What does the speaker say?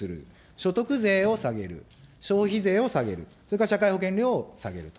所得税を下げる、消費税を下げる、それから社会保険料を下げると。